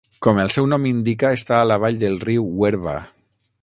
Com el seu nom indica està a la vall del riu Huerva.